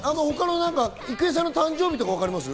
郁恵さんの誕生日とか分かります？